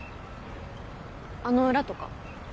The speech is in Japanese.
あの裏とか？